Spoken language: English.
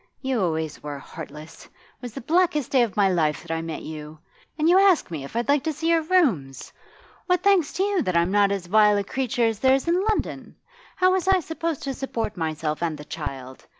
You always were heartless it was the blackest day of my life that I met you; and you ask me if I'd like to see your rooms! What thanks to you that I'm not as vile a creature as there is in London? How was I to support myself and the child?